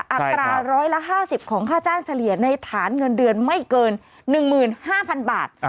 อัตรา๑๕๐ของค่าจ้างเฉลี่ยในฐานเงินเดือนไม่เกิน๑๕๐๐๐บาท